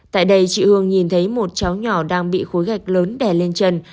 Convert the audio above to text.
tại đây chị hương nhìn thấy một cháu nhỏ đang bị khối gạch lớn đè lên chân